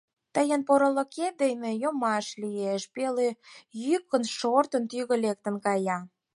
Тыйын порылыкет дене йомаш лиеш, — пеле йӱкын шортын, тӱгӧ лектын кая.